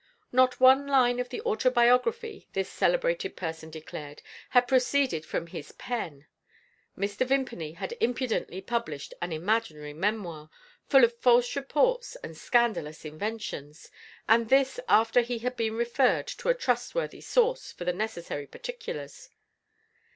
Not one line of the autobiography (this celebrated person declared) had proceeded from his pen. Mr. Vimpany had impudently published an imaginary memoir, full of false reports and scandalous inventions and this after he had been referred to a trustworthy source for the necessary particulars.